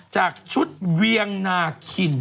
จากชุดเวียงนาคิน